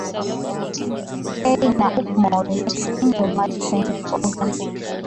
K na ukmo united kingdom maritime organisation